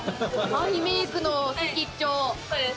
アイメイクの先っちょ。